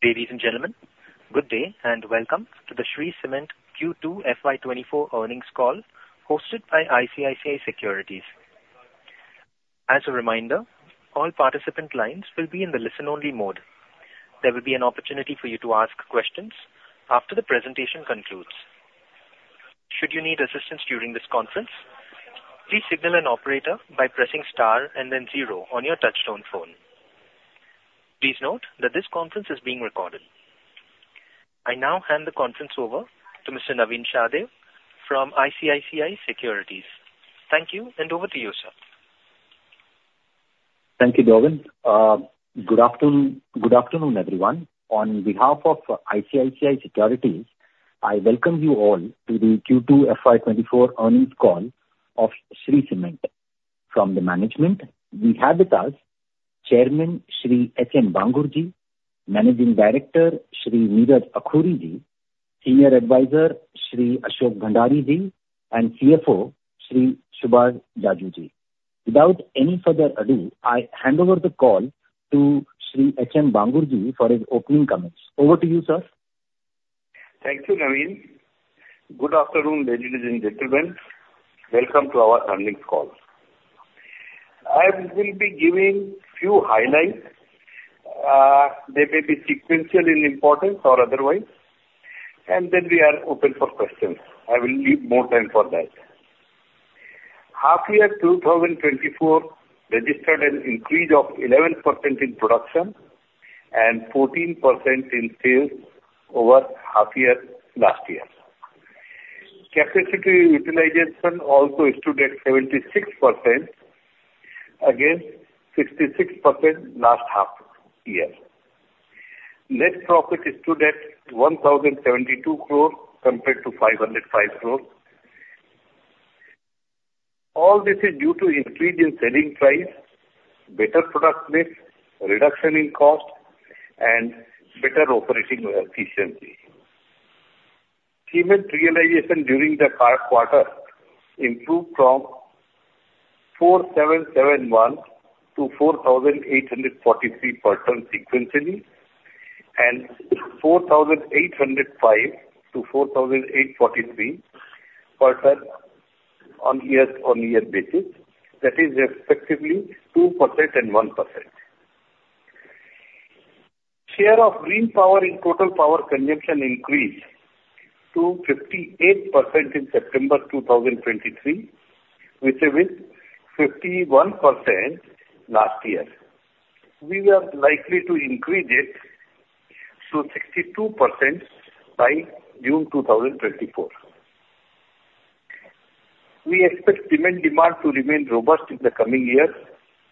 Ladies and gentlemen, good day, and welcome to the Shree Cement Q2 FY 2024 earnings call, hosted by ICICI Securities. As a reminder, all participant lines will be in the listen-only mode. There will be an opportunity for you to ask questions after the presentation concludes. Should you need assistance during this conference, please signal an operator by pressing star and then zero on your touchtone phone. Please note that this conference is being recorded. I now hand the conference over to Mr. Navin Sahadeo from ICICI Securities. Thank you, and over to you, sir. Thank you, Gavin. Good afternoon, good afternoon, everyone. On behalf of ICICI Securities, I welcome you all to the Q2 FY 2024 earnings call of Shree Cement. From the management, we have with us Chairman, Shri H.M. Bangur-ji, Managing Director, Shri Neeraj Akhoury-ji, Senior Advisor, Shri Ashok Bhandari-ji, and CFO, Shri Subhash Jaju-ji. Without any further ado, I hand over the call to Hari Mohan Bangur for his opening comments. Over to you, sir. Thank you, Navin. Good afternoon, ladies and gentlemen. Welcome to our earnings call. I will be giving few highlights, they may be sequential in importance or otherwise, and then we are open for questions. I will leave more time for that. Half year 2024 registered an increase of 11% in production and 14% in sales over half year last year. Capacity utilization also stood at 76%, against 66% last half year. Net profit stood at 1,072 crore compared to 505 crore. All this is due to increase in selling price, better product mix, reduction in cost, and better operating efficiency. Cement realization during the quarter improved from 4,771 to 4,843 per ton sequentially, and 4,805 to 4,843 per ton on year-on-year basis. That is respectively 2% and 1%. Share of green power in total power consumption increased to 58% in September 2023, which is with 51% last year. We are likely to increase it to 62% by June 2024. We expect cement demand to remain robust in the coming years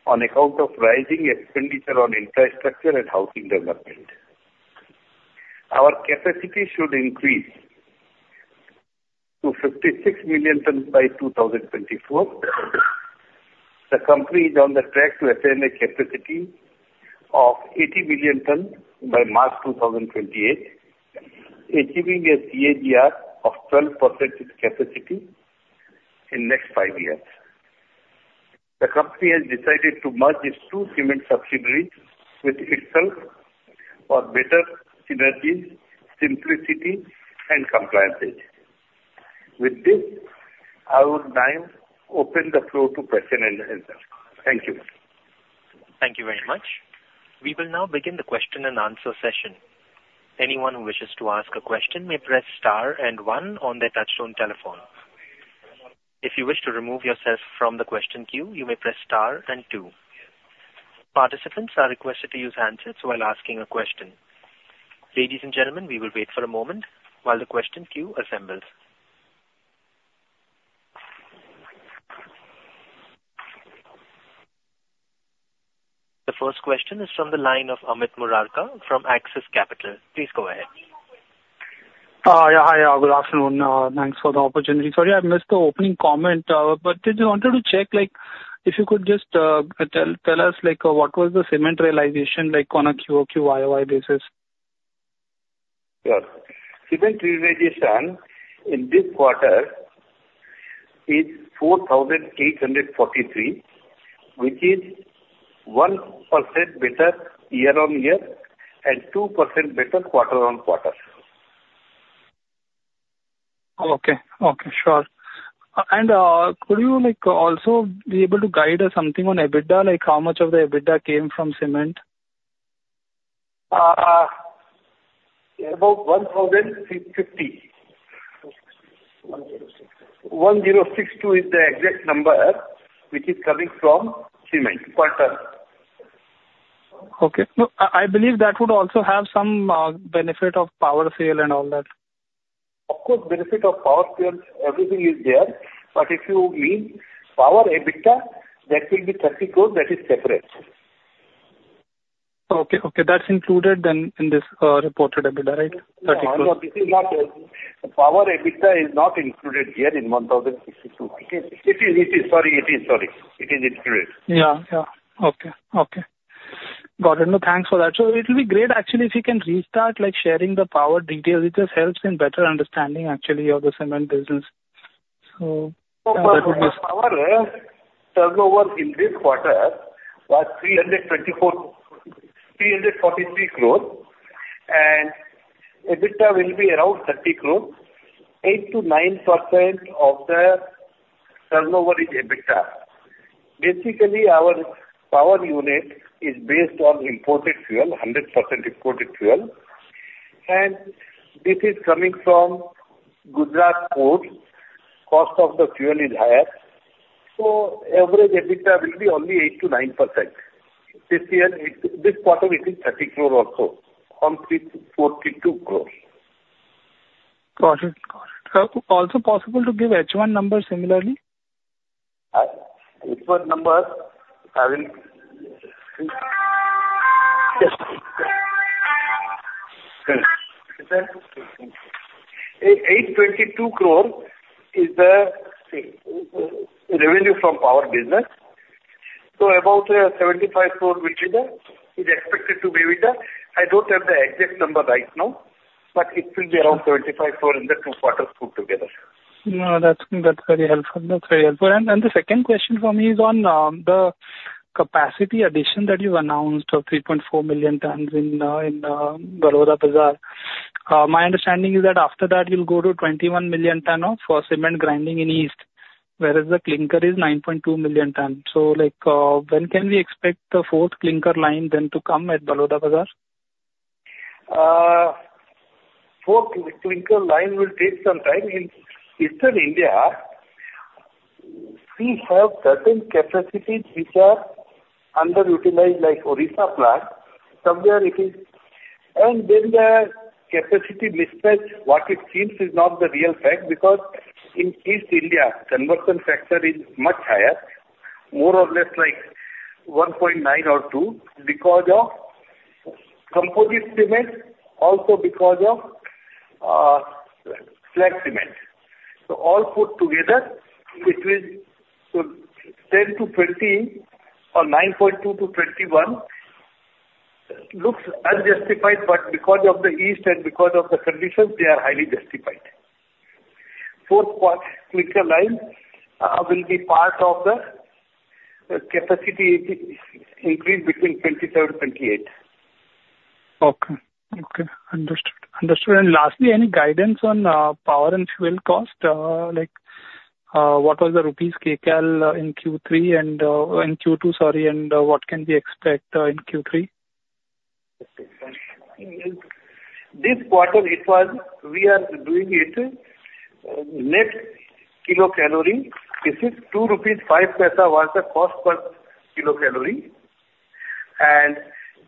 on account of rising expenditure on infrastructure and housing development. Our capacity should increase to 56 million tons by 2024. The company is on the track to attain a capacity of 80 million tons by March 2028, achieving a CAGR of 12% in capacity in next five years. The company has decided to merge its two cement subsidiaries with itself for better synergy, simplicity, and compliance. With this, I would now open the floor to question and answer. Thank you. Thank you very much. We will now begin the question-and-answer session. Anyone who wishes to ask a question may press star and one on their touchtone telephone. If you wish to remove yourself from the question queue, you may press star and two. Participants are requested to use handsets while asking a question. Ladies and gentlemen, we will wait for a moment while the question queue assembles. The first question is from the line of Amit Murarka from Axis Capital. Please go ahead. Yeah. Hi, good afternoon. Thanks for the opportunity. Sorry, I missed the opening comment, but just wanted to check, like, if you could just tell us, like, what was the cement realization like on a QOQ, YOY basis? Yes. Cement realization in this quarter is 4,843, which is 1% better year-on-year and 2% better quarter-on-quarter. Okay. Okay, sure. And, could you, like, also be able to guide us something on EBITDA? Like, how much of the EBITDA came from cement? About 1,650. 1,062 is the exact number, which is coming from cement per ton. Okay. No, I believe that would also have some benefit of power sale and all that. Of course, benefit of power sales, everything is there, but if you mean power EBITDA, that will be 30 crore. That is separate. Okay, okay. That's included then in this reported EBITDA, right? INR 30 crore. No, this is not. The power EBITDA is not included here in 1,062. Sorry, it is included. Yeah. Yeah. Okay. Okay. Got it. No, thanks for that. So it will be great, actually, if you can restart, like, sharing the power details. It just helps in better understanding actually of the cement business.... Our turnover in this quarter was 324-343 crore, and EBITDA will be around 30 crore. 8%-9% of the turnover is EBITDA. Basically, our power unit is based on imported fuel, 100% imported fuel, and this is coming from Gujarat port. Cost of the fuel is higher, so average EBITDA will be only 8%-9%. This year, it—this quarter, it is 30 crore also, from 3-42 crore. Got it. Got it. So also possible to give H1 numbers similarly? H1 numbers, Sir? INR 882 crore is the revenue from power business, so about 75 crore will be the, is expected to be EBITDA. I don't have the exact number right now, but it will be around 75 crore in the two quarters put together. No, that's, that's very helpful. That's very helpful. And the second question for me is on the capacity addition that you've announced of 3.4 million tons in Baloda Bazar. My understanding is that after that, you'll go to 21 million tons for cement grinding in east, whereas the clinker is 9.2 million tons. So like, when can we expect the fourth clinker line then to come at Baloda Bazar? Fourth clinker line will take some time. In Eastern India, we have certain capacities which are underutilized, like Odisha plant. Somewhere it is... Then the capacity mismatch, what it seems is not the real fact, because in East India, conversion factor is much higher, more or less like 1.9 or 2, because of Composite Cement, also because of slag cement. So all put together, between 10-20 or 9.2-21 looks unjustified, but because of the east and because of the conditions, they are highly justified. Fourth part, clinker line, will be part of the capacity increase between 2027-2028. Okay. Okay, understood. Understood, and lastly, any guidance on power and fuel cost? Like, what was the INR/kCal in Q3 and in Q2, sorry, and what can we expect in Q3? This quarter it was, we are doing it next kilocalorie. This is 2.05 rupees was the cost per kilocalorie, and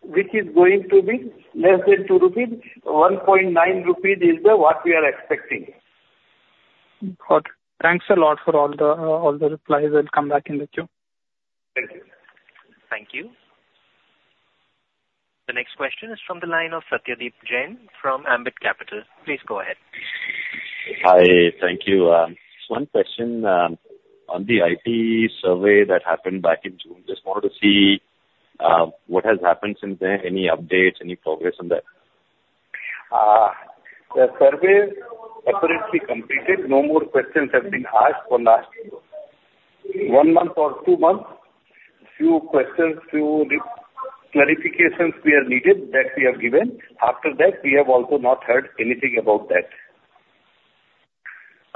which is going to be less than 2 rupees. 1.9 rupees is what we are expecting. Got it. Thanks a lot for all the replies. I'll come back in the queue. Thank you. Thank you. The next question is from the line of Satyadeep Jain from Ambit Capital. Please go ahead. Hi, thank you. One question, on the IT survey that happened back in June. Just wanted to see what has happened since then. Any updates, any progress on that? The survey apparently completed. No more questions have been asked for last one month or two months. Few questions, few re-clarifications we are needed, that we have given. After that, we have also not heard anything about that.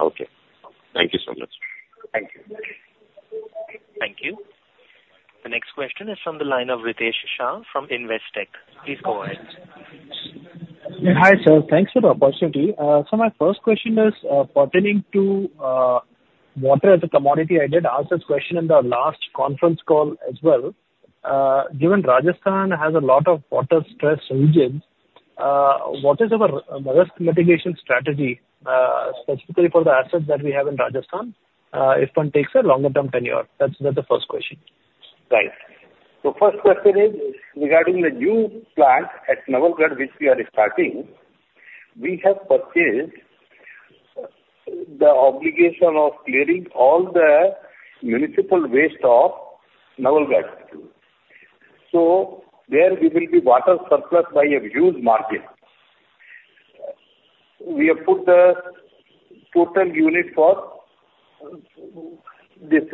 Okay. Thank you so much. Thank you. Thank you. The next question is from the line of Ritesh Shah from Investec. Please go ahead. Hi, sir. Thanks for the opportunity. So my first question is pertaining to water as a commodity. I did ask this question in the last conference call as well. Given Rajasthan has a lot of water stress regions, what is our risk mitigation strategy, specifically for the assets that we have in Rajasthan, if one takes a longer term tenure? That's the first question. Right. So first question is regarding the new plant at Nawalgarh, which we are starting. We have purchased the obligation of clearing all the municipal waste of Nawalgarh. So there we will be water surplus by a huge margin. We have put the total unit for this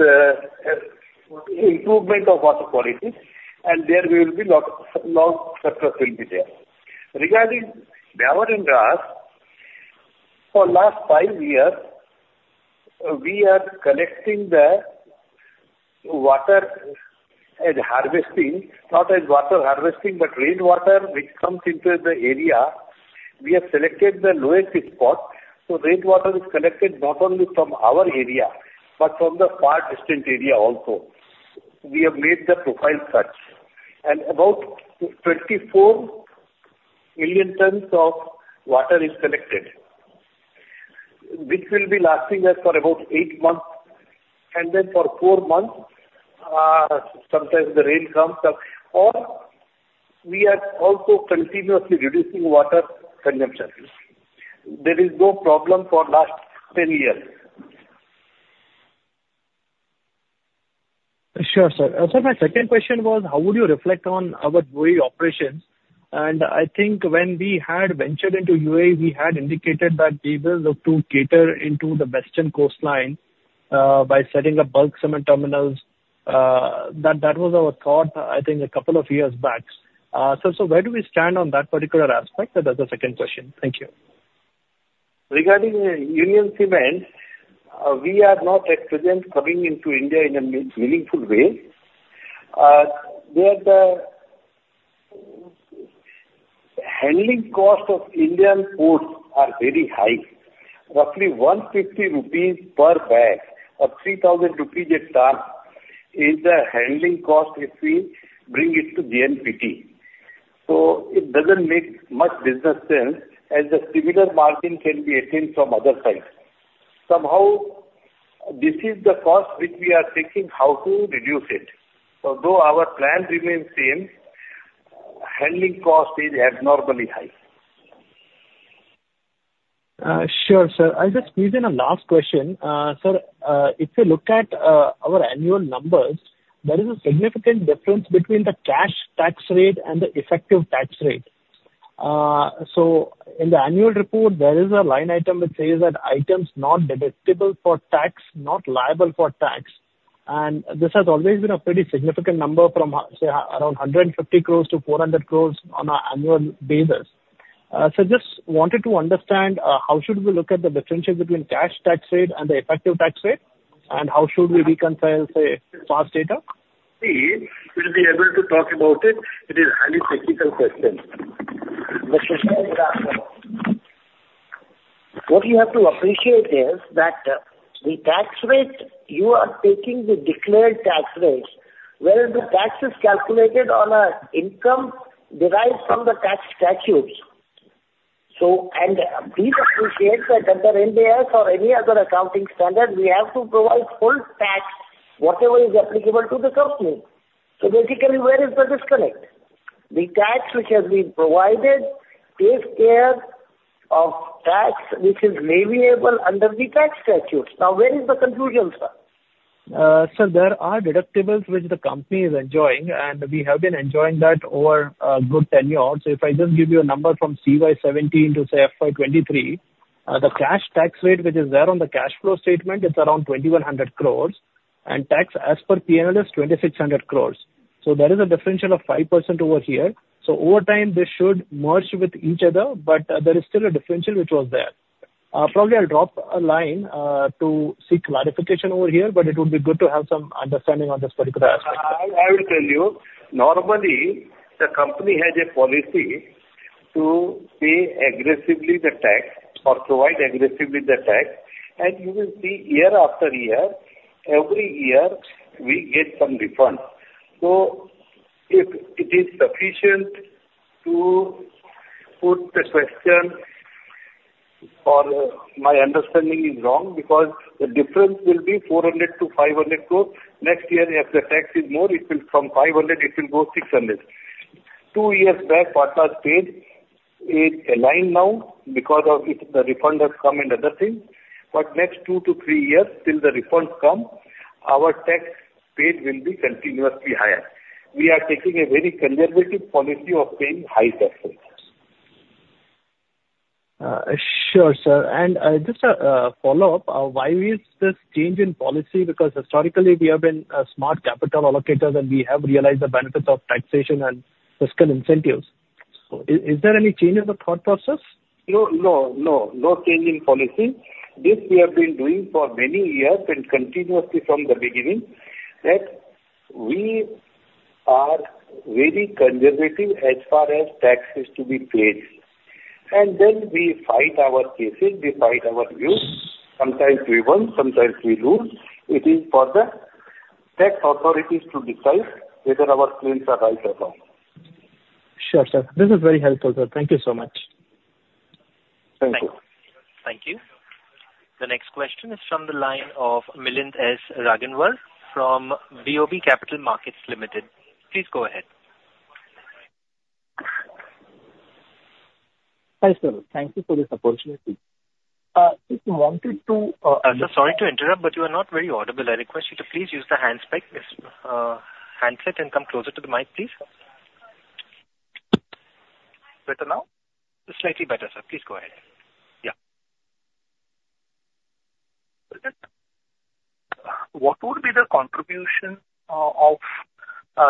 improvement of water quality, and there will be lot, lot surplus will be there. Regarding Dhawarinjas, for last five years, we are collecting the water and harvesting, not as water harvesting, but rain water, which comes into the area. We have selected the lowest spot, so rain water is collected not only from our area, but from the far distant area also. We have made the profile such, and about 24 million tons of water is collected, which will be lasting us for about eight months, and then for four months, sometimes the rain comes, or we are also continuously reducing water consumption. There is no problem for last 10 years. ... Sure, sir. So my second question was: How would you reflect on our UAE operations? And I think when we had ventured into UAE, we had indicated that we will look to cater into the western coastline by setting up bulk cement terminals. That was our thought, I think, a couple of years back. So where do we stand on that particular aspect? That's the second question. Thank you. Regarding Union Cement, we are not at present coming into India in a meaningful way. There, the handling cost of Indian ports is very high. Roughly 150 rupees per bag or 3,000 rupees a ton is the handling cost if we bring it to GNPT. So it doesn't make much business sense, as the similar margin can be attained from other sides. Somehow, this is the cost which we are thinking how to reduce it. So though our plan remains same, handling cost is abnormally high. Sure, sir. I'll just squeeze in a last question. Sir, if you look at our annual numbers, there is a significant difference between the cash tax rate and the effective tax rate. So in the annual report, there is a line item which says that items not deductible for tax, not liable for tax, and this has always been a pretty significant number from, say, around 150 crore to 400 crore on an annual basis. So just wanted to understand how should we look at the differentiate between cash tax rate and the effective tax rate, and how should we reconcile, say, past data? He will be able to talk about it. It is highly technical question. What you have to appreciate is that the tax rate, you are taking the declared tax rates, whereas the tax is calculated on an income derived from the tax statutes. Please appreciate that under Ind AS or any other accounting standard, we have to provide full tax, whatever is applicable to the company. Basically, where is the disconnect? The tax which has been provided takes care of tax, which is leviable under the tax statutes. Now, where is the confusion, sir? Sir, there are deductibles which the company is enjoying, and we have been enjoying that over a good tenure. So if I just give you a number from CY 2017 to, say, FY 2023, the cash tax rate, which is there on the cash flow statement, is around 2,100 crore, and tax as per P&L is 2,600 crore. So there is a differential of 5% over here. So over time, this should merge with each other, but, there is still a differential which was there. Probably I'll drop a line, to seek clarification over here, but it would be good to have some understanding on this particular aspect. I will tell you, normally, the company has a policy to pay aggressively the tax or provide aggressively the tax, and you will see year after year, every year, we get some refunds. So if it is sufficient to put the question or my understanding is wrong, because the difference will be 400-500 crore. Next year, if the tax is more, it will from 500, it will go 600. Two years back, what was paid is aligned now because of it, the refund has come and other things. But next two to three years, till the refunds come, our tax paid will be continuously higher. We are taking a very conservative policy of paying high taxes. Sure, sir. Just a follow-up. Why is this change in policy? Because historically, we have been a smart capital allocators, and we have realized the benefits of taxation and fiscal incentives. So is there any change in the thought process? No, no, no. No change in policy. This we have been doing for many years and continuously from the beginning, that we are very conservative as far as taxes to be paid. And then we fight our cases, we fight our views. Sometimes we won, sometimes we lose. It is for the tax authorities to decide whether our claims are right or wrong. Sure, sir. This is very helpful, sir. Thank you so much. Thank you. Thank you. The next question is from the line of Milind S. Raghunath from BOB Capital Markets Limited. Please go ahead. Hi, sir. Thank you for this opportunity. Just wanted to, Sorry to interrupt, but you are not very audible. I request you to please use the handset and come closer to the mic, please. Better now? Slightly better, sir. Please go ahead. Yeah. What would be the contribution of,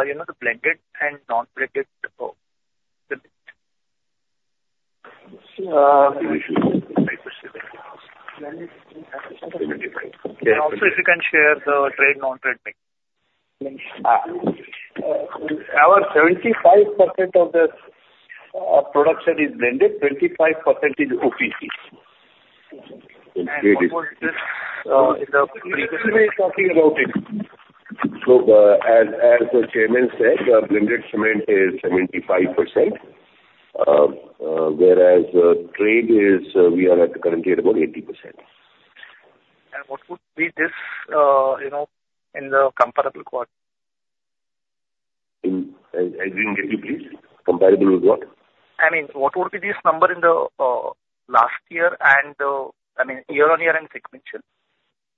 you know, the blended and non-blended? Uh... Also, if you can share the trade, non-trade mix. Our 75% of the production is blended, 25% is OPC. One more is this, in the- He is talking about it. As the chairman said, blended cement is 75%, whereas trade is, we are currently at about 80%. What would be this, you know, in the comparable quarter? I didn't get you, please. Comparable with what? I mean, what would be this number in the last year and, I mean, year-on-year and sequential?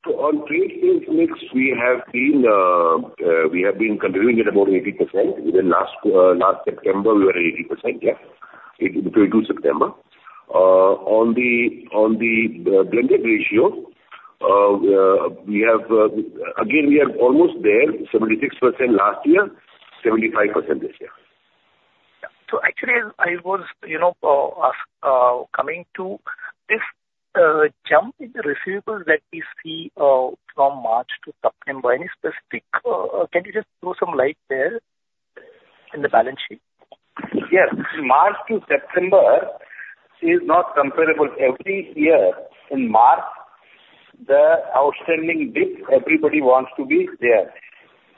So on green mix, we have been continuing at about 80%. Even last September, we were 80%, yeah. 18 to September. On the blended ratio, we are almost there, 76% last year, 75% this year. So actually, you know, coming to this jump in the receivables that we see from March to September, any specific? Can you just throw some light there in the balance sheet? Yes. March to September is not comparable. Every year in March, the outstanding dips, everybody wants to be there.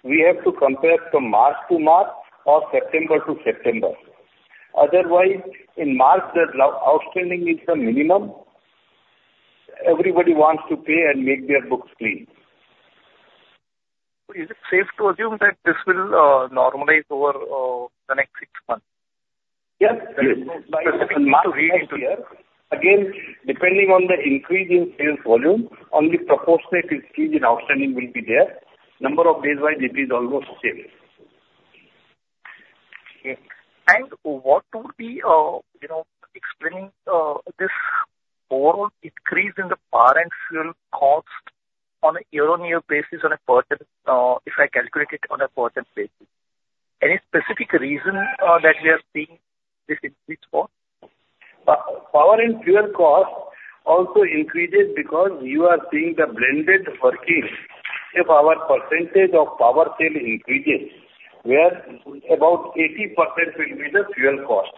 We have to compare from March to March or September to September. Otherwise, in March, the outstanding is the minimum. Everybody wants to pay and make their books clean. Is it safe to assume that this will normalize over the next six months? Yes. Yes. Again, depending on the increase in sales volume, only proportionate increase in outstanding will be there. Number of days by decrease is almost same. Okay. What would be, you know, explaining this overall increase in the power and fuel cost on a year-on-year basis on a percentage, if I calculate it on a percentage basis? Any specific reason that we are seeing this increase for? Power and fuel cost also increases because you are seeing the blended purchase. If our percentage of power sale increases, where about 80% will be the fuel cost.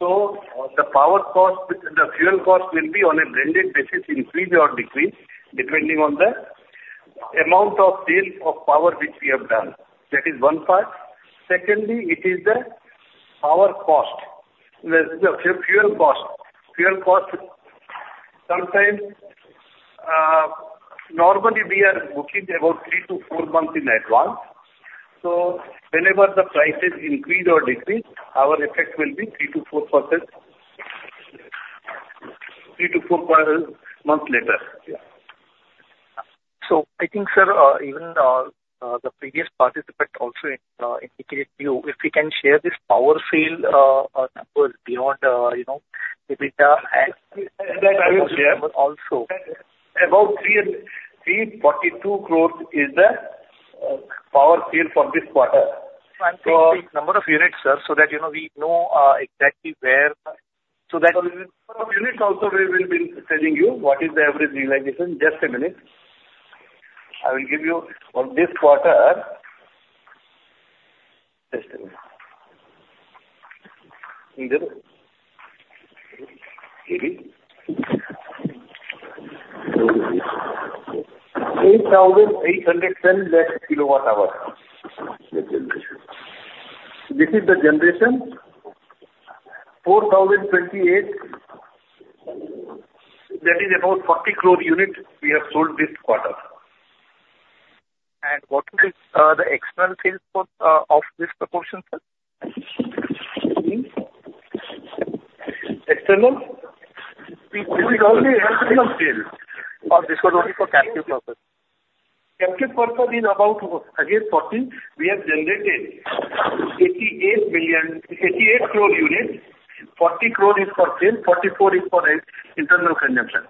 So the power cost, the fuel cost will be on a blended basis, increase or decrease, depending on the amount of sale of power which we have done. That is one part. Secondly, it is the power cost, the, the fuel cost. Fuel cost sometimes, normally we are booking about three-four months in advance. So whenever the prices increase or decrease, our effect will be 3%-4%, three-four per month later. Yeah. So I think, sir, even the previous participant also indicated to you, if you can share this power sale numbers beyond, you know, the data and also. About 342 crore is the power sale for this quarter. I'm seeing the number of units, sir, so that, you know, exactly where, so that- Units also, we will be telling you what is the average realization. Just a minute. I will give you on this quarter... Just a minute. 8,810 lakh kWh. This is the generation. 4,028, that is about 40 crore units we have sold this quarter. What is the external sales for of this proportion, sir? External? It is only for sale. Or, this was only for captive purpose. Captive purpose is about, again, 40. We have generated 88 million, 88 crore units. 40 crore is for sale, 44 is for internal consumption.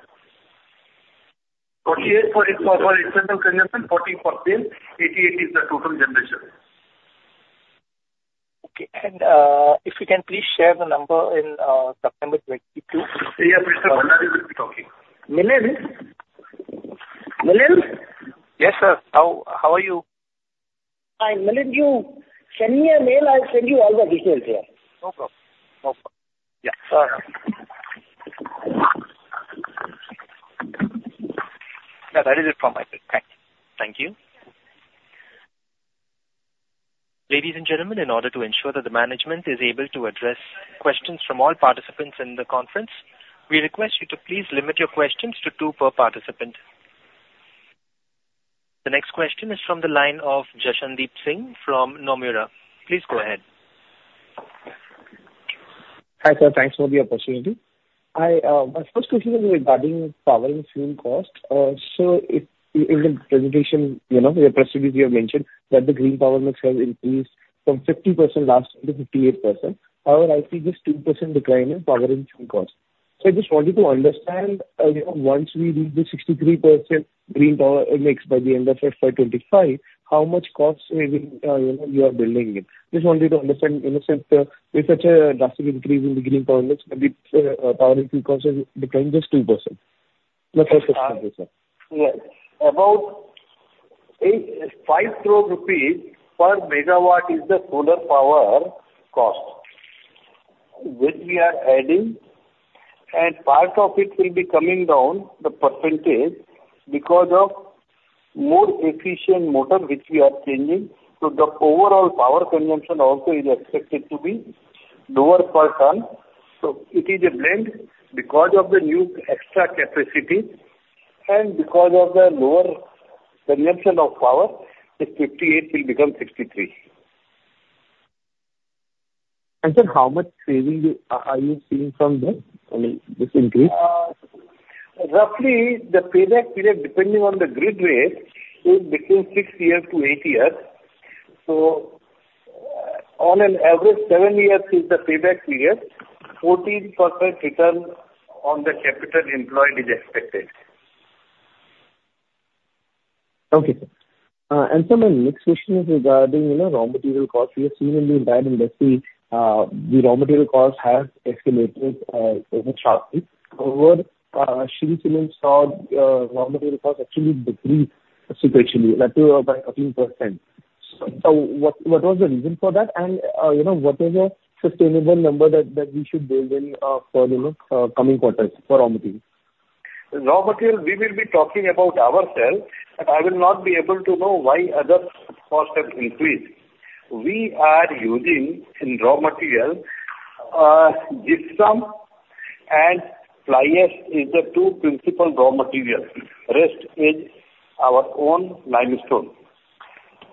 48 for internal consumption, 40 for sale. 88 is the total generation. Okay. And if you can please share the number in September 2022. Yeah, Mr. Bhandari will be talking. Milind? Milind? Yes, sir. How are you? Fine. Milind, you send me a mail, I'll send you all the details here. No problem. No problem. Yeah. All right. Yeah, that is it from my side. Thank you. Thank you. Ladies and gentlemen, in order to ensure that the management is able to address questions from all participants in the conference, we request you to please limit your questions to two per participant. The next question is from the line of Jashandeep Chadha from Nomura. Please go ahead. Hi, sir. Thanks for the opportunity. I, my first question is regarding power and fuel costs. So, in the presentation, you know, the press release you have mentioned, that the green power mix has increased from 50% last year to 58%. However, I see this 2% decline in power and fuel costs. So I just wanted to understand, you know, once we reach the 63% green power mix by the end of FY 25, how much costs are we, you know, you are building in? Just wanted to understand, you know, since, with such a drastic increase in the green power mix, but it's, power and fuel costs are decline just 2%. Let's just say 2%. Yes. About 85 crore rupees per megawatt is the solar power cost, which we are adding, and part of it will be coming down, the percentage, because of more efficient motor, which we are changing. So the overall power consumption also is expected to be lower per ton. So it is a blend. Because of the new extra capacity... And because of the lower consumption of power, this 58 will become 63. Sir, how much saving are you seeing from this, I mean, this increase? Roughly the payback period, depending on the grid rate, is between six-eight years. On average, seven years is the payback period. 14% return on the capital employed is expected. Okay, sir. And sir, my next question is regarding, you know, raw material costs. We have seen in the entire industry, the raw material costs have escalated very sharply. However, Shree Cement saw, raw material costs actually decrease substantially, like by 13%. So what was the reason for that? And, you know, what is a sustainable number that we should build in, for, you know, coming quarters for raw material? Raw material, we will be talking about ourselves, but I will not be able to know why others' costs have increased. We are using in raw material, gypsum and fly ash is the two principal raw materials. Rest is our own limestone.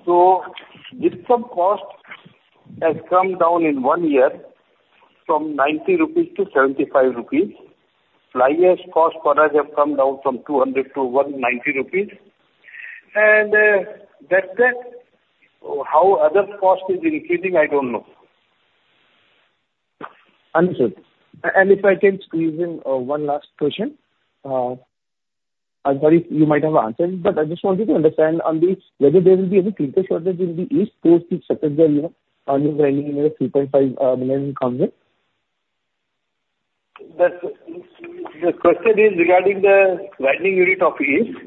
So gypsum cost has come down in one year from 90 rupees to 75 rupees. Fly ash cost for us have come down from 200 to 190 rupees. And, that's it. How others' cost is increasing, I don't know. Understood. If I can squeeze in one last question. I'm sorry if you might have answered, but I just wanted to understand on the... whether there will be any clinker shortage in the east post the September, you know, on grinding another 3.5 million tons? The question is regarding the grinding unit of east.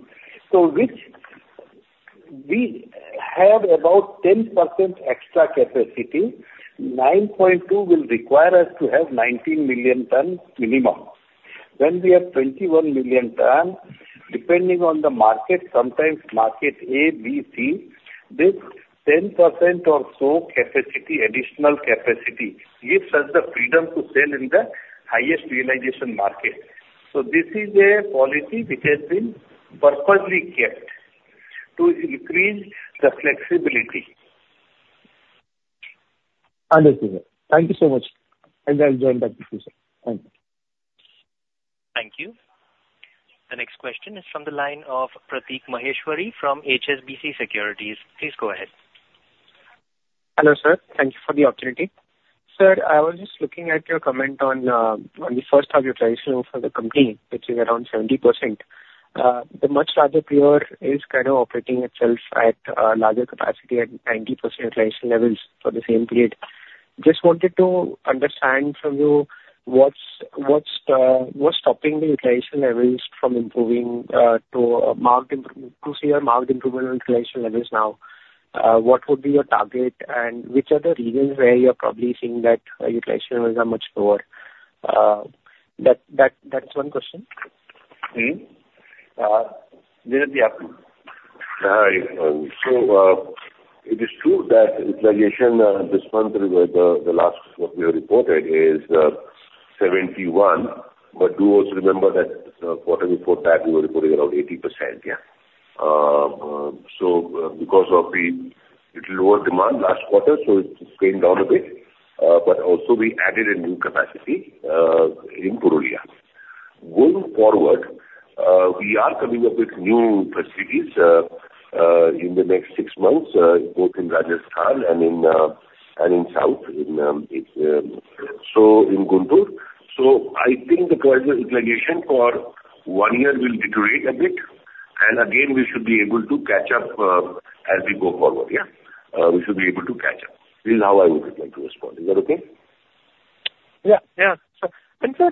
So which we have about 10% extra capacity, 9.2 will require us to have 19 million tons minimum. When we have 21 million tons, depending on the market, sometimes market A, B, C, this 10% or so capacity, additional capacity, gives us the freedom to sell in the highest realization market. So this is a policy which has been purposely kept to increase the flexibility. Understood, sir. Thank you so much, and I'll join back with you, sir. Thank you. Thank you. The next question is from the line of Prateek Maheshwari from HSBC Securities. Please go ahead. Hello, sir, thank you for the opportunity. Sir, I was just looking at your comment on the first half utilization for the company, which is around 70%. The much larger player is kind of operating itself at larger capacity at 90% utilization levels for the same period. Just wanted to understand from you, what's stopping the utilization levels from improving to a marked improvement - to see a marked improvement on utilization levels now? What would be your target, and which are the regions where you're probably seeing that utilization levels are much lower? That's one question. Mm-hmm. Neeraj, the outcome? So, it is true that utilization this month with the last what we have reported is 71. But do also remember that the quarter before that, we were reporting around 80%. Yeah. So because of the little lower demand last quarter, so it came down a bit, but also we added a new capacity in Purulia. Going forward, we are coming up with new facilities in the next six months, both in Rajasthan and in, and in south in, it's, so in Guntur. So I think the current utilization for one year will deteriorate a bit, and again, we should be able to catch up as we go forward. Yeah? We should be able to catch up. This is how I would like to respond. Is that okay? Yeah. Yeah. So, sir,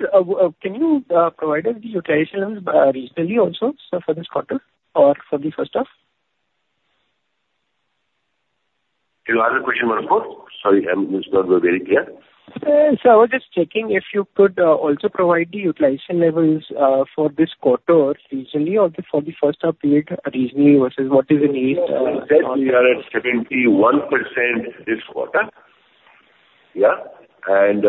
can you provide us the utilization levels, regionally also, so for this quarter or for the first half? Can you ask the question once more? Sorry, I'm just not very clear. Sir, I was just checking if you could also provide the utilization levels for this quarter regionally or for the first half period, regionally versus what is the need on- We are at 71% this quarter. Yeah. And,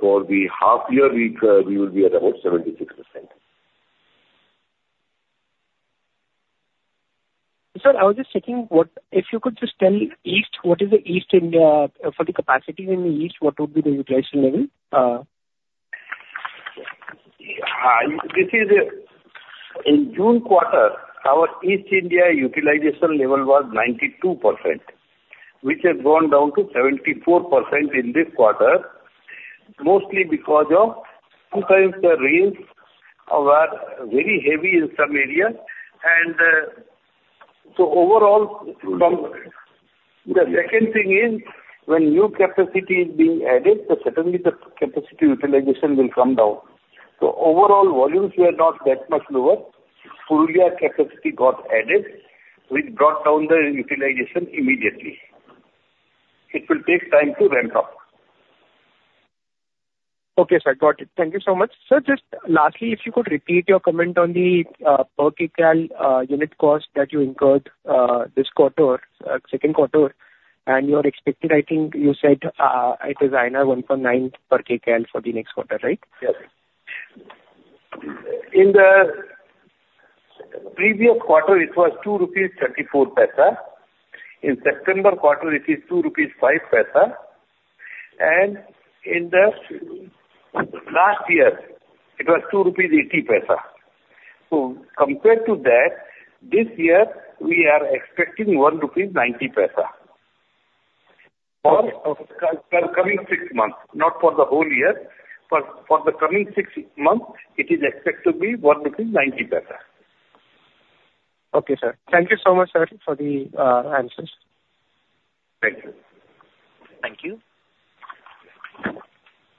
for the half year, we, we will be at about 76%. Sir, I was just checking what if you could just tell east, what is the East India for the capacity in the east, what would be the utilization level? In June quarter, our East India utilization level was 92%, which has gone down to 74% in this quarter, mostly because sometimes the rains are very heavy in some areas, and so overall- Mm-hmm. The second thing is, when new capacity is being added, so certainly the capacity utilization will come down. So overall volumes were not that much lower. Purulia capacity got added, which brought down the utilization immediately. It will take time to ramp up. Okay, sir, got it. Thank you so much. Sir, just lastly, if you could repeat your comment on the per kcal unit cost that you incurred this quarter, second quarter. And you're expecting, I think you said, it is 1.9 per kcal for the next quarter, right? Yes. In the previous quarter, it was 2.34 rupees. In September quarter, it is 2.05 rupees, and in the last year, it was 2.80 rupees. So compared to that, this year we are expecting 1.90 rupees. For coming six months, not for the whole year, but for the coming six months, it is expected to be 1.90 rupees. Okay, sir. Thank you so much, sir, for the answers. Thank you. Thank you.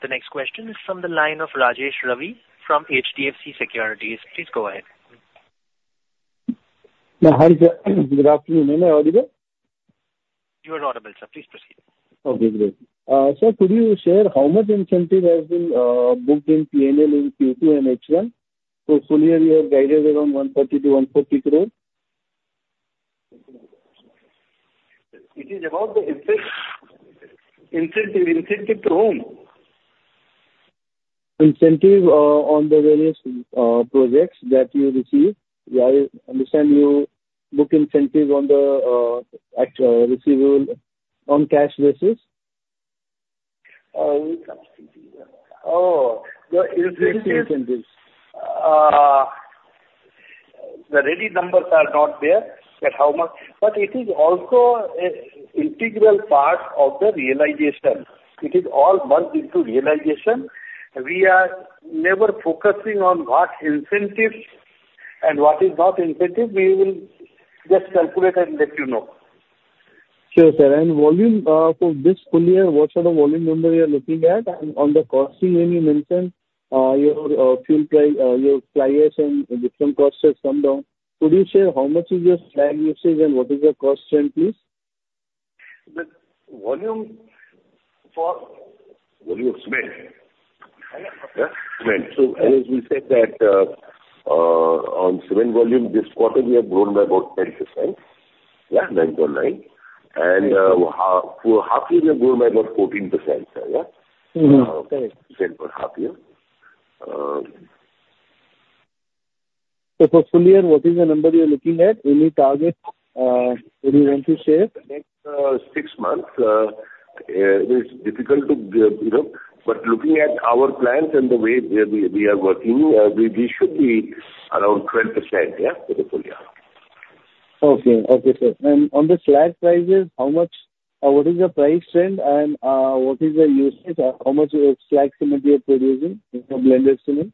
The next question is from the line of Rajesh Ravi from HDFC Securities. Please go ahead. Yeah, hi, sir. Good afternoon. Am I audible? You are audible, sir. Please proceed. Okay, great. Sir, could you share how much incentive has been booked in P&L in Q2 and H1? So fully, you have guided around 130 crore-140 crore. It is about the incentive, incentive to whom? Incentive on the various projects that you receive. Where I understand you book incentive on the receivable on cash basis. Oh, the incentive. The ready numbers are not there at how much, but it is also an integral part of the realization. It is all merged into realization. We are never focusing on what incentives and what is not incentive. We will just calculate and let you know. Sure, sir. And volume, for this full year, what sort of volume number you are looking at? And on the costing, when you mentioned, your fuel price, your fly ash and different costs has come down. Could you share how much is your slag usage and what is your cost trend, please? The volume for volume cement. Yeah, cement. So as we said that, on cement volume this quarter, we have grown by about 10%. Yeah, 9.9. And, 1/2, for 1/2 year, we have grown by about 14%, sir, yeah? Mm-hmm. Correct. Percentage for half year. So for full year, what is the number you're looking at? Any target, that you want to share? The next six months, it's difficult to, you know, but looking at our plans and the way we are working, we should be around 12%, yeah, for the full year. Okay. Okay, sir. And on the slag prices, how much... what is the price trend and, what is the usage? How much of slag cement you are producing in the blended cement?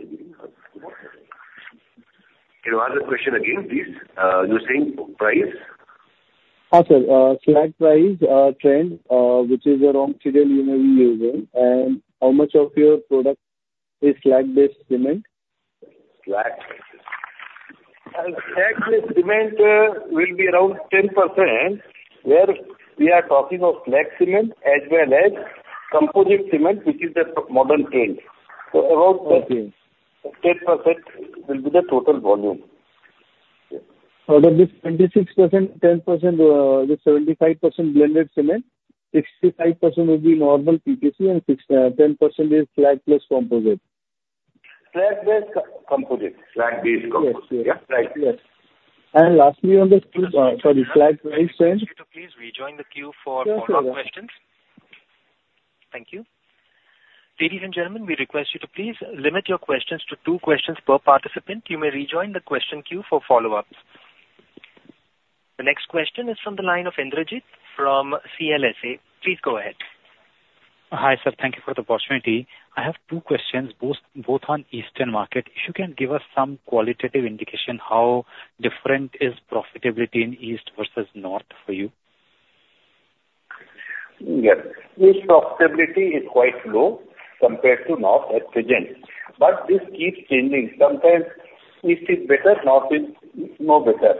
Can you ask the question again, please? You're saying price? Sir, slag price trend, which is around you may be using, and how much of your product is slag-based cement? Slag. Slag-based cement will be around 10%, where we are talking of slag cement as well as composite cement, which is the modern trend. Okay. Around 10% will be the total volume. Out of this 26%, 10%, the 75% blended cement, 65% will be normal PPC, and 10% is slag plus composite. Slag-based composite. Slag-based composite. Yes. Yeah, right. Yes. And lastly, on the slag price change- Could you please rejoin the queue for follow-up questions? Thank you. Ladies and gentlemen, we request you to please limit your questions to two questions per participant. You may rejoin the question queue for follow-ups. The next question is from the line of Indrajit from CLSA. Please go ahead. Hi, sir. Thank you for the opportunity. I have two questions, both on eastern market. If you can give us some qualitative indication, how different is profitability in east versus north for you? Yes. East profitability is quite low compared to north at present, but this keeps changing. Sometimes east is better, north is more better.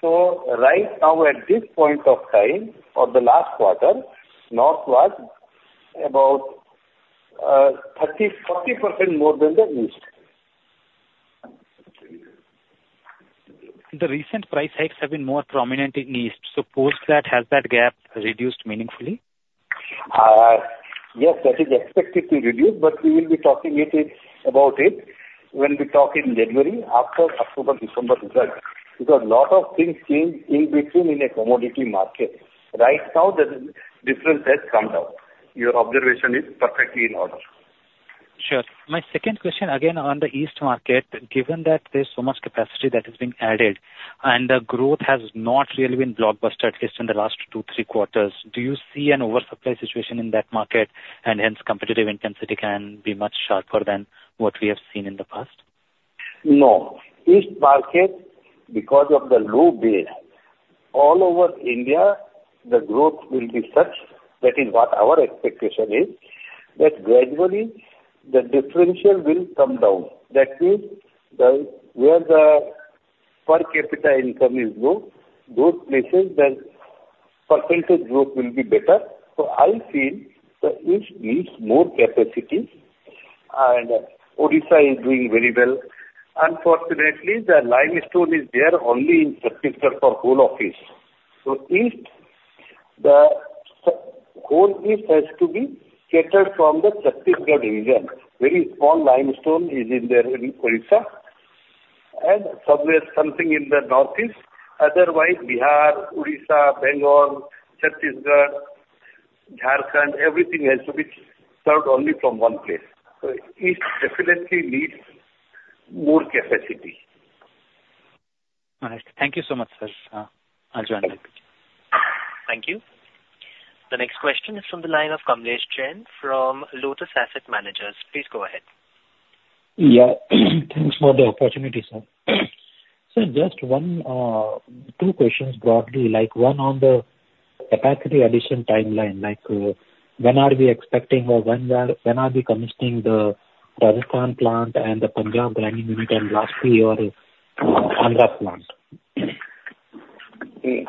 So right now, at this point of time, or the last quarter, north was about 30%-40% more than the east. The recent price hikes have been more prominent in east, so post that, has that gap reduced meaningfully? Yes, that is expected to reduce, but we will be talking it in, about it when we talk in January after October, December results, because a lot of things change in between in a commodity market. Right now, the difference has come down. Your observation is perfectly in order. Sure. My second question, again, on the east market. Given that there's so much capacity that is being added and the growth has not really been blockbuster, at least in the last two, three quarters, do you see an oversupply situation in that market, and hence competitive intensity can be much sharper than what we have seen in the past? No. East market, because of the low base, all over India, the growth will be such, that is what our expectation is, that gradually the differential will come down. That means the, where the per capita income is low, those places the percentage growth will be better. So I feel that east needs more capacity, and Odisha is doing very well. Unfortunately, the limestone is there only in Chhattisgarh for whole of east. So east, the whole east has to be catered from the Chhattisgarh region. Very small limestone is in there in Odisha, and somewhere something in the northeast. Otherwise, Bihar, Odisha, Bengal, Chhattisgarh, Jharkhand, everything has to be served only from one place. So east definitely needs more capacity. All right. Thank you so much, sir. I'll join back. Thank you. The next question is from the line of Kamlesh Jain from Lotus Asset Managers. Please go ahead. Yeah. Thanks for the opportunity, sir. Sir, just one, two questions broadly, like, one on the capacity addition timeline, like, when are we expecting or when we are, when are we commissioning the Rajasthan plant and the Punjab grinding unit, and lastly, your Andhra plant? Hmm.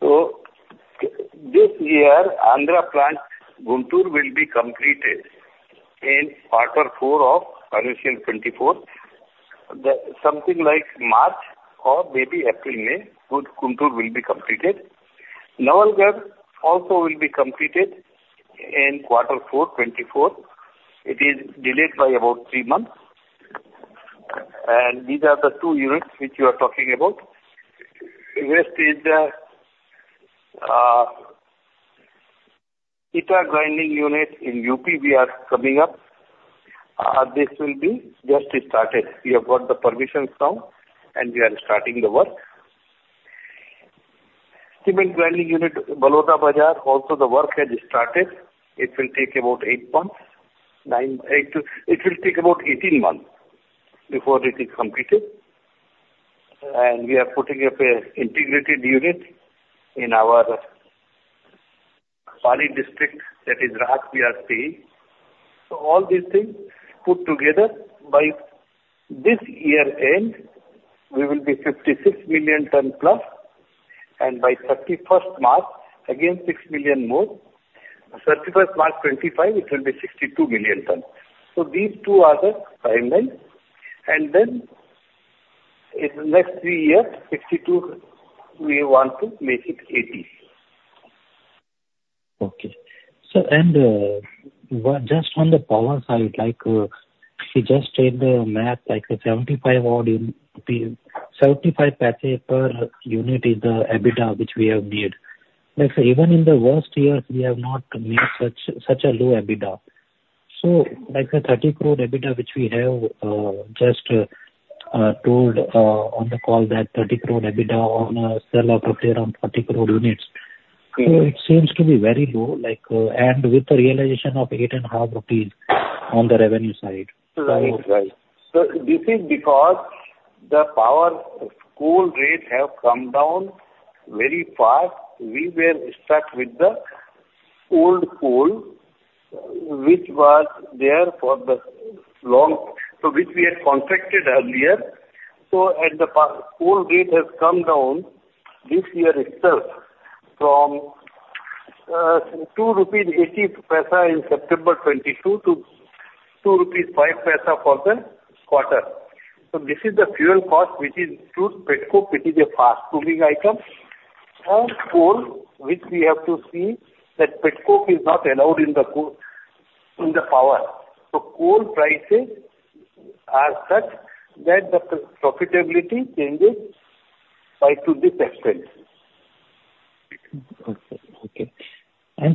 So this year, Andhra plant, Guntur, will be completed in quarter four of financial 2024. The something like March or maybe April, May, Guntur will be completed. Nawalgarh also will be completed in quarter four, 2024. It is delayed by about three months. And these are the two units which you are talking about. Rest is the Etah grinding unit in UP, we are coming up. This will be just started. We have got the permissions now, and we are starting the work. Cement grinding unit, Baloda Bazar, also the work has started. It will take about eight months, nine... eight to-- It will take about 18 months before it is completed, and we are putting up a integrated unit in our Pali district, that is Raj PRP. So all these things put together, by this year end, we will be 56 million tonnes plus, and by 31st March, again, six million more. 31st March 2025, it will be 62 million tonnes. So these two are the timelines, and then in the next three years, 62, we want to make it 80. Okay. So just on the power side, like, you just said the math, like 75 what in, 75 paise per unit is the EBITDA which we have made. Like, even in the worst years, we have not made such a low EBITDA. So like the 30 crore EBITDA, which we have just told on the call, that 30 crore EBITDA on a sale of around 30 crore units. So it seems to be very low, like, and with the realization of 8.5 rupees on the revenue side. Right. Right. So this is because the power coal rates have come down very fast. We were stuck with the old coal, which was there for the long, so which we had contracted earlier. So as the coal rate has come down this year itself from 2.80 rupees in September 2022 to 2.05 rupees for the quarter. So this is the fuel cost, which is through pet coke, which is a fast moving item, and coal, which we have to see that pet coke is not allowed in the in the power. So coal prices are such that the profitability changes by to this extent. Okay.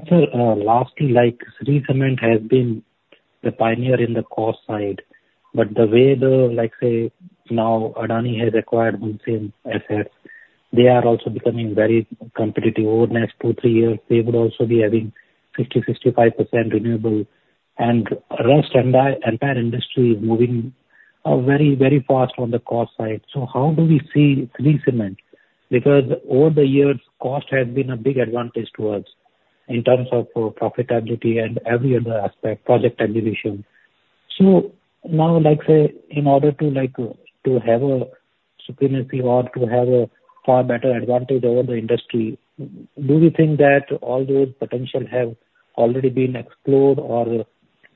Sir, lastly, like, Shree Cement has been the pioneer in the cost side, but the way the, like, say, now Adani has acquired Holcim assets, they are also becoming very competitive. Over the next two-three years, they would also be having 50%-65% renewable, and rest entire, entire industry is moving very, very fast on the cost side. So how do we see Shree Cement? Because over the years, cost has been a big advantage to us in terms of profitability and every other aspect, project execution. So now, like, say, in order to, like, to have a supremacy or to have a far better advantage over the industry, do we think that all those potential have already been explored, or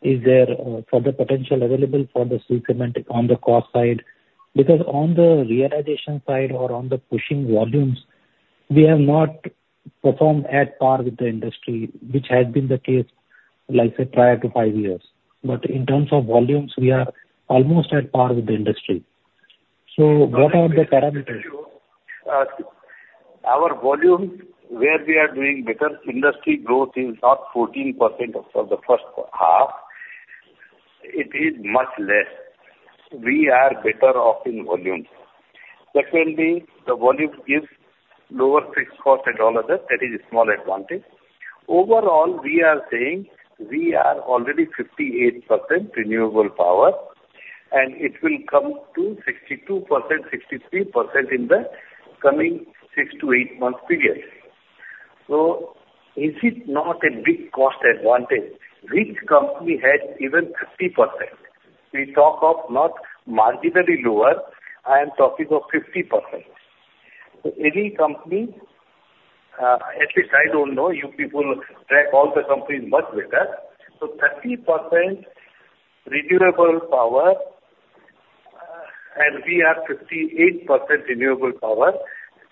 is there further potential available for the Shree Cement on the cost side? Because on the realization side or on the pushing volumes, we have not performed at par with the industry, which has been the case, like, say, prior to five years. But in terms of volumes, we are almost at par with the industry. So what are the parameters? Our volume, where we are doing better, industry growth is not 14% for the first half. It is much less. We are better off in volume. Secondly, the volume gives lower fixed cost and all other, that is a small advantage. Overall, we are saying we are already 58% renewable power, and it will come to 62%, 63% in the coming six- to eight-month period. Is it not a big cost advantage? Which company has even 50%. We talk of not marginally lower, I am talking of 50%. So any company, at least I don't know, you people track all the companies much better. So 30% renewable power, and we have 58% renewable power.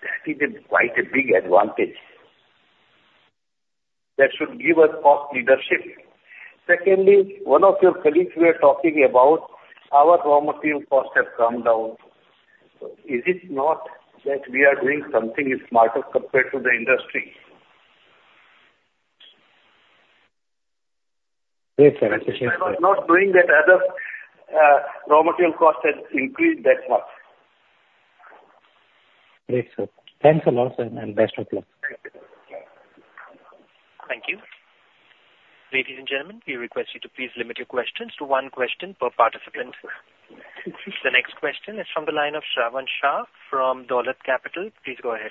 That is quite a big advantage. That should give us cost leadership. Secondly, one of your colleagues were talking about our raw material costs have come down. So is it not that we are doing something smarter compared to the industry? Yes, sir. I was not doing that, other raw material costs has increased that much. Yes, sir. Thanks a lot, sir, and best of luck. Thank you. Ladies and gentlemen, we request you to please limit your questions to one question per participant. The next question is from the line of Shravan Shah from Dolat Capital. Please go ahead.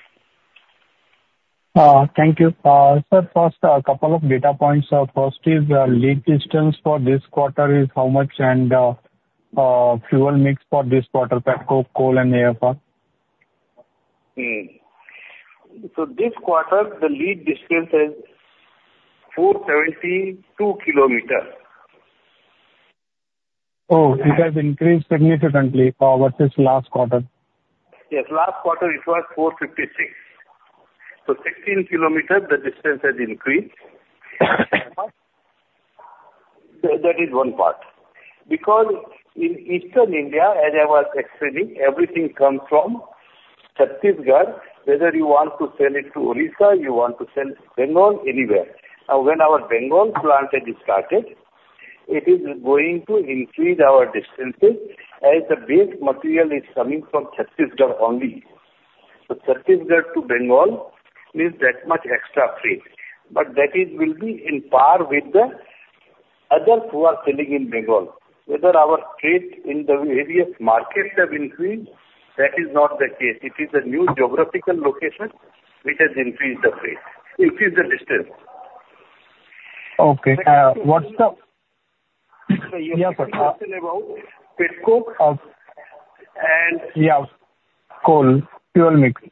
Thank you. Sir, first, a couple of data points. First is, lead distance for this quarter is how much, and, fuel mix for this quarter, pet coke, coal, and AFR? This quarter, the lead distance is 472 km. Oh, it has increased significantly versus last quarter. Yes, last quarter it was 456. So 16 km, the distance has increased. That, that is one part, because in Eastern India, as I was explaining, everything comes from Chhattisgarh, whether you want to sell it to Odisha, you want to sell Bengal, anywhere. Now, when our Bengal plant has started, it is going to increase our distances, as the base material is coming from Chhattisgarh only. So Chhattisgarh to Bengal means that much extra freight, but that is will be on par with the others who are selling in Bengal. Whether our freight in the various markets have increased, that is not the case. It is a new geographical location which has increased the freight, increased the distance. Okay. What's the- Sir, you were asking question about Pet Coke- Oh. And- Yeah, coal. Fuel mix.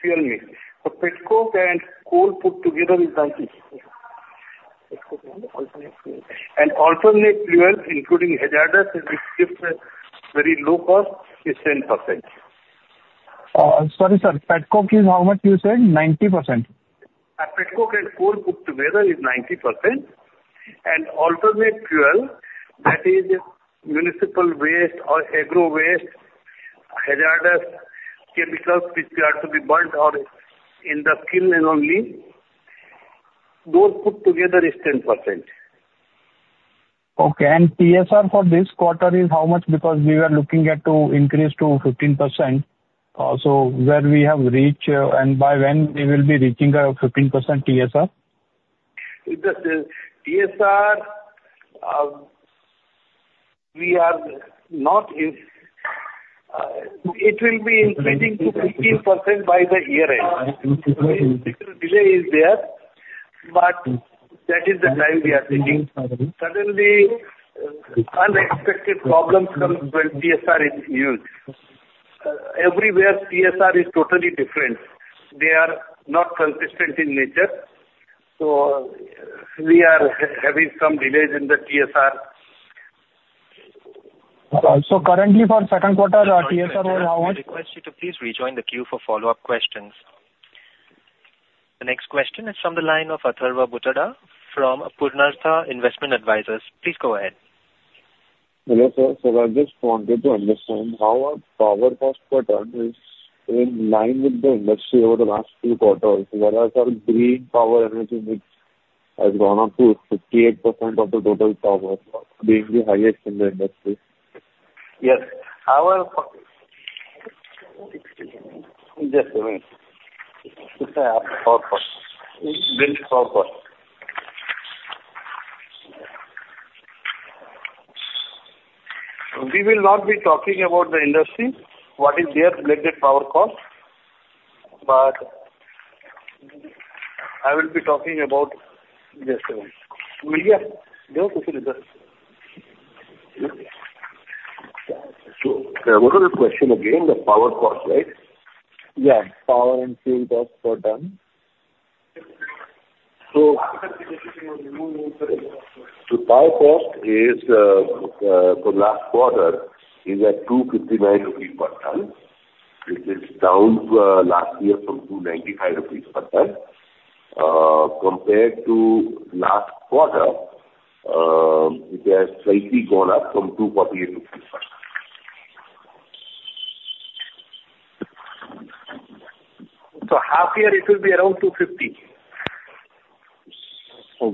Fuel mix. So Pet Coke and coal put together is 90%. Alternate fuel. Alternate fuel, including hazardous, which is very low cost, is 10%. Sorry, sir, Pet Coke is how much you said? 90%. Pet Coke and coal put together is 90%, and alternate fuel, that is municipal waste or agro waste, hazardous chemicals, which are to be burnt or in the kiln and only, those put together is 10%. Okay. And TSR for this quarter is how much? Because we were looking at to increase to 15%. So where we have reached, and by when we will be reaching our 15% TSR? The TSR, it will be increasing to 15% by the year-end. Little delay is there, but that is the time we are thinking. Suddenly, unexpected problems come when TSR is used. Everywhere TSR is totally different. They are not consistent in nature, so we are having some delays in the TSR. Currently for second quarter, TSR are how much? I request you to please rejoin the queue for follow-up questions. The next question is from the line of Atharva Bhutada from Apurvasta Investment Advisors. Please go ahead. Hello, sir. So I just wanted to understand how our power cost per ton is in line with the industry over the last two quarters, whereas our green power energy mix has gone up to 58% of the total power, being the highest in the industry. Yes. Just a minute. Green Power cost. We will not be talking about the industry, what is their blended power cost, but I will be talking about- Just a minute. What was the question again? The power cost, right? Yeah, power and fuel cost per ton. So, power cost is, for last quarter, is at 259 rupees per ton. It is down to, last year from 295 rupees per ton. Compared to last quarter, it has slightly gone up from 248 per ton. Half year, it will be around 250. Okay. So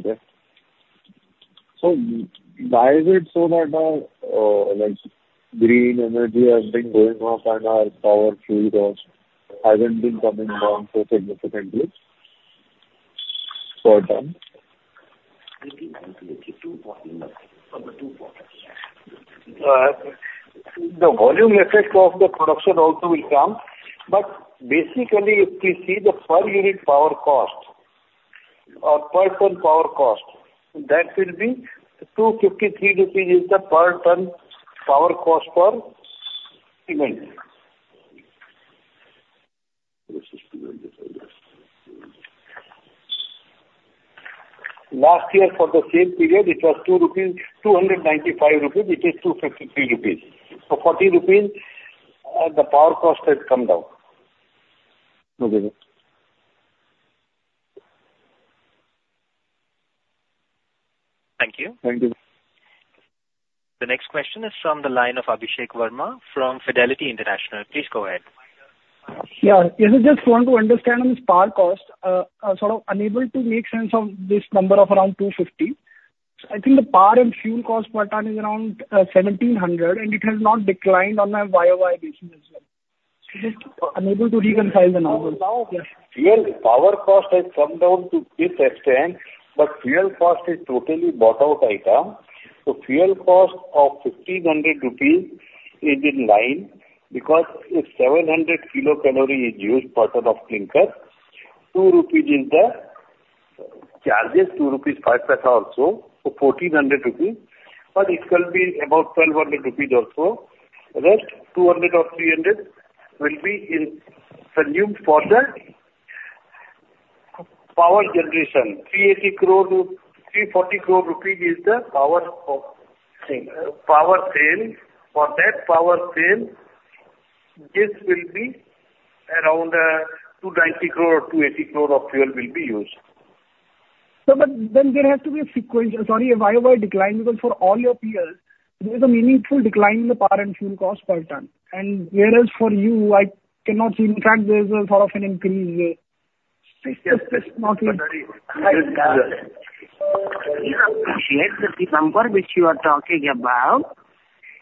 why is it so that, like, green energy has been going up and our power fuel cost hasn't been coming down so significantly per ton?... The volume effect of the production also will come, but basically, if you see the per unit power cost or per ton power cost, that will be 253 rupees, the per ton power cost for cement. Last year for the same period, it was 295 rupees, it is 253 rupees. So 40 rupees, the power cost has come down. Thank you. Thank you. The next question is from the line of Abhishek Verma from Fidelity International. Please go ahead. Yeah. I just want to understand on this power cost. I'm sort of unable to make sense of this number of around 250. I think the power and fuel cost per ton is around 1,700, and it has not declined on a YOY basis as well. Just unable to reconcile the numbers. Now, fuel power cost has come down to this extent, but fuel cost is totally bottom out item. So fuel cost of 1,500 rupees is in line because if 700 kcal is used per ton of clinker, 2 rupees is the charges, 2.05 rupees also, so 1,400 rupees, but it can be about 1,200 rupees also. The rest, 200 or 300 will be incurred for the power generation. 380 crore-340 crore rupees is the power of- Same. Power sale. For that power sale, this will be around 290 crore or 280 crore of fuel will be used. So but then there has to be a sequence, sorry, a YOY decline, because for all your peers, there is a meaningful decline in the power and fuel cost per ton. And whereas for you, I cannot see. In fact, there is a sort of an increase. It's just not- The number which you are talking about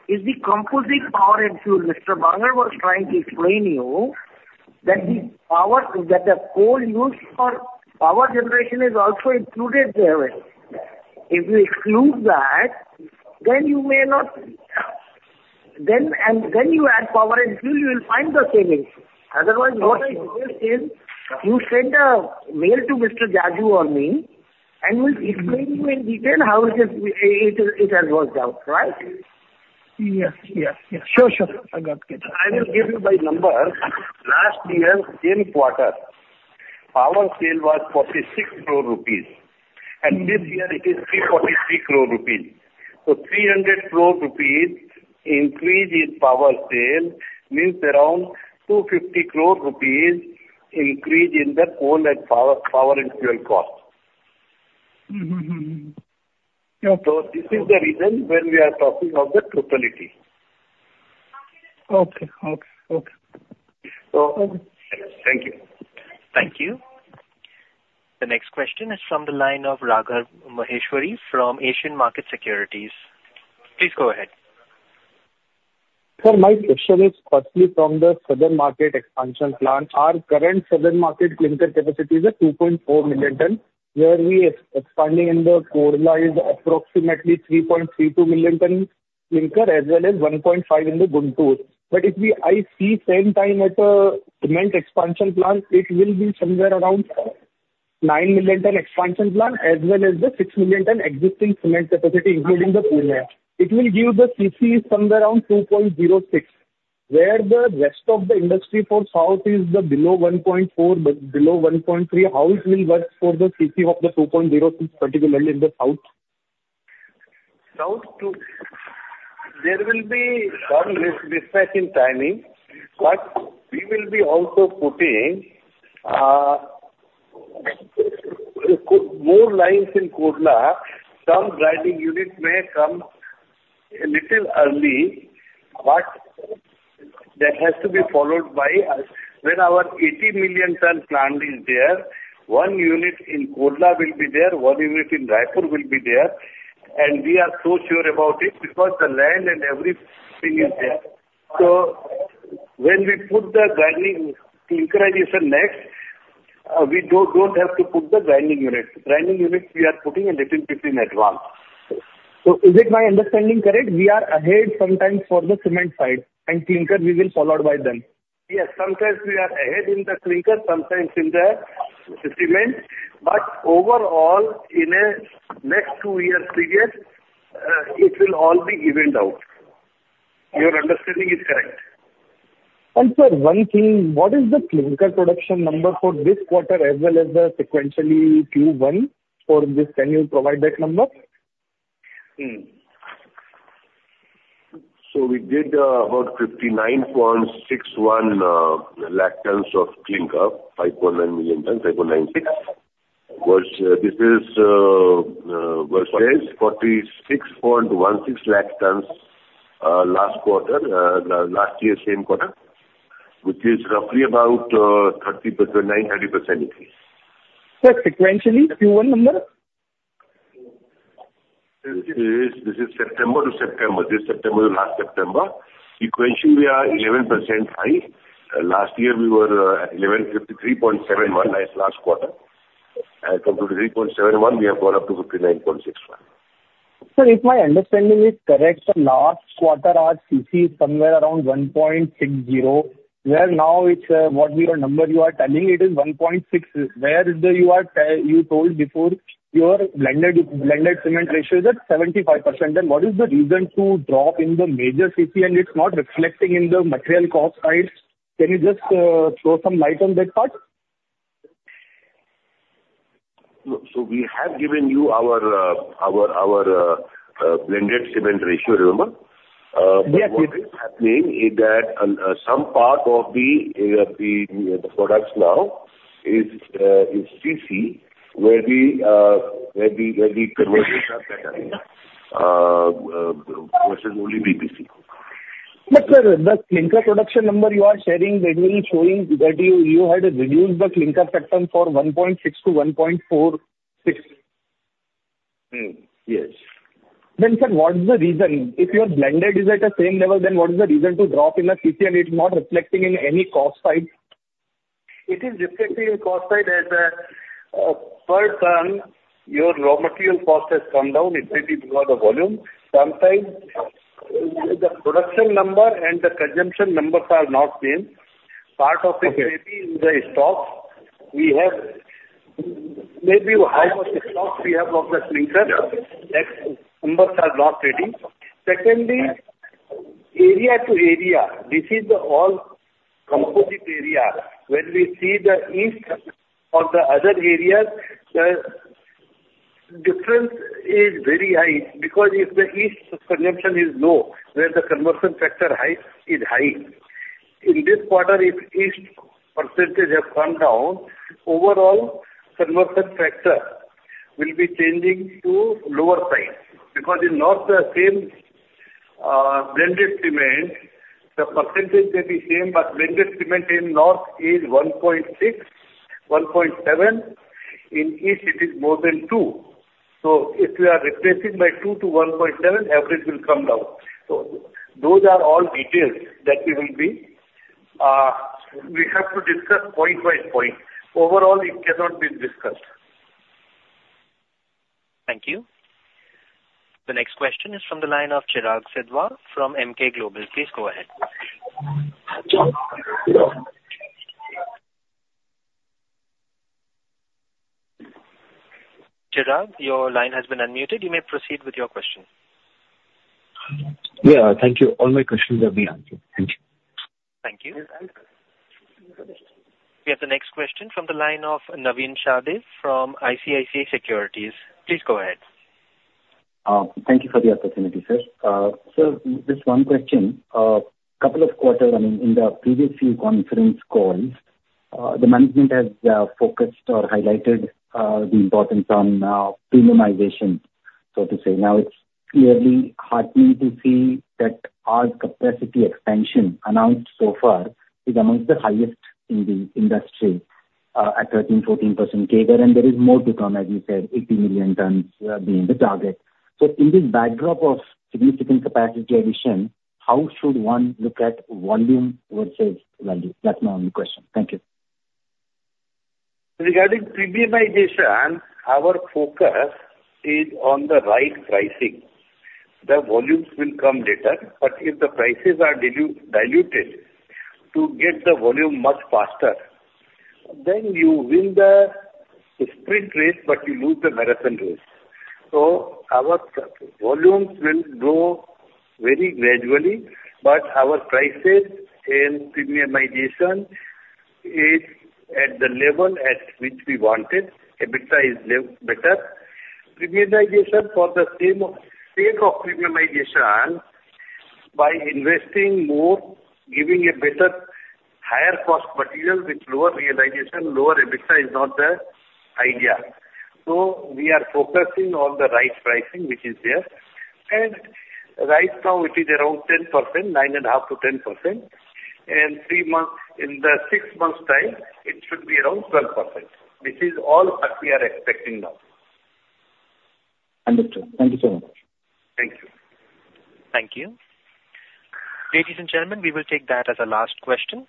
is the composite power and fuel. Mr. Bangur was trying to explain you that the power... That the coal used for power generation is also included there. If you exclude that, then you may not, then, and then you add power and fuel, you will find the savings. Otherwise, what I suggest is, you send a mail to Mr. Jaju or me, and we'll explain you in detail how it is, it, it has worked out, right? Yes, yes, yes. Sure, sure, I got it. I will give you by numbers. Last year, same quarter, power sale was 46 crore rupees, and this year it is 343 crore rupees. So 300 crore rupees increase in power sale, means around 250 crore rupees increase in the coal and power, power and fuel cost. Mm-hmm, mm-hmm. Yeah. This is the reason when we are talking of the totality. Okay. Okay, okay. Thank you. Thank you. The next question is from the line of Raghav Maheshwari from Asian Markets Securities. Please go ahead. Sir, my question is firstly from the southern market expansion plant. Our current southern market clinker capacity is at 2.4 million tons, where we are expanding in the Kodla is approximately 3.32 million ton clinker, as well as 1.5 in the Guntur. But if we-- I see same time at the cement expansion plant, it will be somewhere around nine million ton expansion plant, as well as the six million ton existing cement capacity, including the Kodla. It will give the CC somewhere around 2.06, where the rest of the industry for south is the below 1.4, but below 1.3. How it will work for the CC of the 2.06, particularly in the south? South, to... There will be some mismatch in timing, but we will be also putting, more lines in Kodla. Some grinding units may come a little early, but that has to be followed by when our 80 million ton plant is there, one unit in Kodla will be there, one unit in Raipur will be there, and we are so sure about it because the land and everything is there. So when we put the grinding clinkerization next, we don't have to put the grinding unit. Grinding units, we are putting a little bit in advance. Is it my understanding correct, we are ahead sometimes for the cement side and clinker we will follow by then? Yes, sometimes we are ahead in the clinker, sometimes in the cement, but overall, in a next two years period, it will all be evened out. Your understanding is correct. Sir, one thing, what is the clinker production number for this quarter as well as the sequentially Q1 for this? Can you provide that number? So we did about 59.61 lakh tons of clinker, 5.9 million tons, 5.96. This was 46.16 lakh tons last year same quarter, which is roughly about 30%, 39% increase. Sir, sequentially, Q1 number?... This is September to September. This September to last September. Sequentially, we are 11% high. Last year we were at 1,153.71 last quarter, and from 3.71, we have gone up to 59.61. Sir, if my understanding is correct, the last quarter our CC is somewhere around 1.60, where now it's what your number you are telling it is 1.6, where you are you told before your blended cement ratio is at 75%. Then what is the reason to drop in the major CC and it's not reflecting in the material cost side? Can you just throw some light on that part? So we have given you our blended cement ratio, remember? Yes. What is happening is that on some part of the products now is CC, where the conversion are better versus only BBC. But sir, the clinker production number you are sharing, that's showing that you had reduced the clinker factor from 1.6 to 1.46. Hmm. Yes. Then, sir, what is the reason? If your blended is at the same level, then what is the reason to drop in the CC, and it's not reflecting in any cost side? It is reflecting in cost side as per ton, your raw material cost has come down. It may be because of volume. Sometimes the production number and the consumption numbers are not same. Okay. Part of it may be in the stock. We have maybe higher stock we have of the clinker, that numbers are not ready. Secondly, area to area, this is the all composite area. When we see the east or the other areas, the difference is very high because if the east consumption is low, then the conversion factor high is high. In this quarter, if east percentage has come down, overall conversion factor will be changing to lower side, because in north the same, blended cement, the percentage may be same, but blended cement in north is 1.6, 1.7. In east it is more than two. So if you are replacing by two to 1.7, average will come down. So those are all details that we will be... We have to discuss point by point. Overall, it cannot be discussed. Thank you. The next question is from the line of Chirag Sidhwa from Emkay Global. Please go ahead. Chirag, your line has been unmuted. You may proceed with your question. Yeah. Thank you. All my questions have been answered. Thank you. Thank you. We have the next question from the line of Navin Sahadeo from ICICI Securities. Please go ahead. Thank you for the opportunity, sir. So just one question. Couple of quarters, I mean, in the previous few conference calls, the management has focused or highlighted the importance on premiumization, so to say. Now, it's clearly heartening to see that our capacity expansion announced so far is among the highest in the industry at 13%-14% CAGR, and there is more to come, as you said, 80 million tons being the target. So in this backdrop of significant capacity addition, how should one look at volume versus value? That's my only question. Thank you. Regarding premiumization, our focus is on the right pricing. The volumes will come later, but if the prices are diluted to get the volume much faster, then you win the sprint race, but you lose the marathon race. So our volumes will grow very gradually, but our prices and premiumization is at the level at which we wanted. EBITDA is better. Premiumization for the sake of premiumization by investing more, giving a better higher cost material with lower realization, lower EBITDA is not the idea. So we are focusing on the right pricing, which is there, and right now it is around 10%, 9.5%-10%. In three months, in the six months time, it should be around 12%. This is all what we are expecting now. Understood. Thank you so much. Thank you. Thank you. Ladies and gentlemen, we will take that as our last question.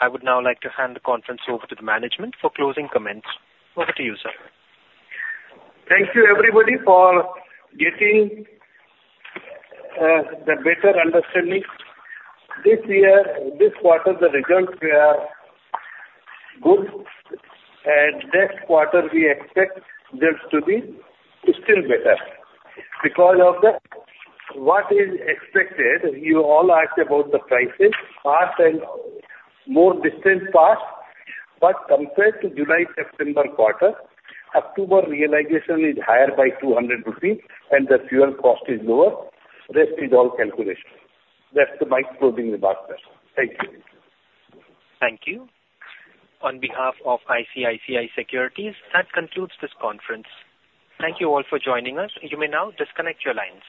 I would now like to hand the conference over to the management for closing comments. Over to you, sir. Thank you, everybody, for getting the better understanding. This year, this quarter, the results were good, and next quarter we expect them to be still better. Because of what is expected, you all asked about the prices, past and more distant past, but compared to July, September quarter, October realization is higher by 200 rupees and the fuel cost is lower. Rest is all calculation. That's the my closing remarks. Thank you. Thank you. On behalf of ICICI Securities, that concludes this conference. Thank you all for joining us. You may now disconnect your lines.